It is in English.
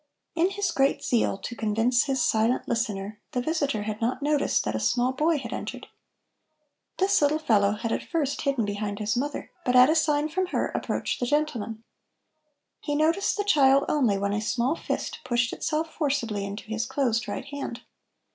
In his great zeal to convince his silent listener, the visitor had not noticed that a small boy had entered. This little fellow had at first hidden behind his mother, but, at a sign from her, approached the gentleman. He noticed the child only when a small fist pushed itself forcibly into his closed right hand.